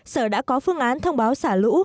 sở đã có phương án thông báo xả lũ